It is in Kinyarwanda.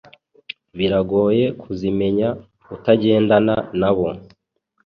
biragoye kuzimenya utagendana nabo